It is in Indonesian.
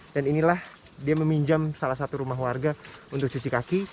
dan inilah dia meminjam salah satu rumah warga untuk cuci kaki